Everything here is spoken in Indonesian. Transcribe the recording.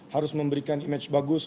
harus memberikan image bagus